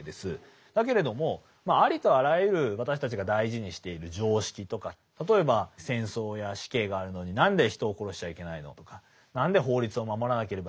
だけれどもありとあらゆる私たちが大事にしている常識とか例えば戦争や死刑があるのに何で人を殺しちゃいけないの？とか何で法律を守らなければいけないの？